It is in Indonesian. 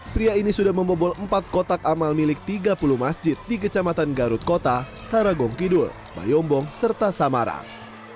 pria ini sudah membobol empat kotak amal milik tiga puluh masjid di kecamatan garut kota taragong kidul bayombong serta samarang